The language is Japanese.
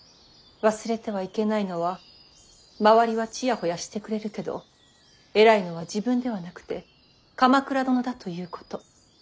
忘れてはいけないのは周りはちやほやしてくれるけど偉いのは自分ではなくて鎌倉殿だということ。